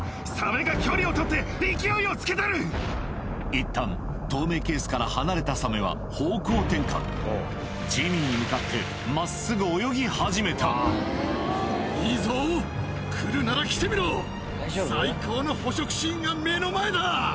いったん透明ケースから離れたサメは方向転換ジミーに向かって真っすぐ泳ぎ始めた最高の捕食シーンが目の前だ！